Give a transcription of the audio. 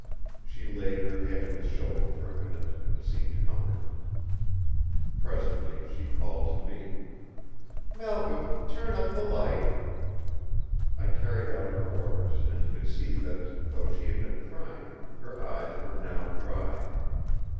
She laid her head on his shoulder for a minute and seemed comforted. Presently she called to me: "Malcolm, turn up the light!" I carried out her orders, and could see that, though she had been crying, her eyes were now dry.